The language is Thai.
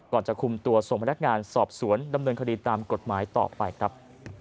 จะคุมตัวส่งพนักงานสอบสวนดำเนินคดีตามกฎหมายต่อไปครับ